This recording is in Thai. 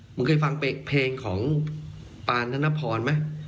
มึงเคยฟังเพลงของปานธนพรไหม